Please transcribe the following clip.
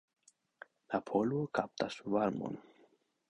La polvo kaptas varmon.